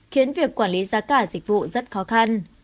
khiến việc quản lý giá cả dịch vụ rất khó khăn